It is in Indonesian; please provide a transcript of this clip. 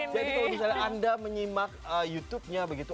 jadi kalau misalnya anda menyimak youtubenya begitu